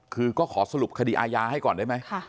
คือก็ขอสรุปคดีอาญาให้ก่อนได้ไหม